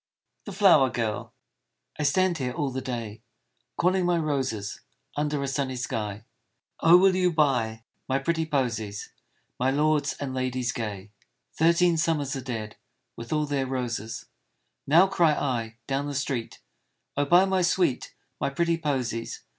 THE FLOWER GIRL I STAND here all the day, Calling my roses, Under a sunny sky, " Oh ! will you buy My pretty posies My lords and ladies gay ?" Thirteen summers are dead With all their roses, Now cry I down the street, " Oh ! buy my sweet My pretty posies!